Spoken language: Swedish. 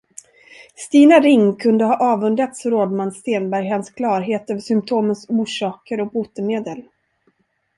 Stina Ring kunde ha avundats rådman Stenberg hans klarhet över symtomens orsaker och botemedel.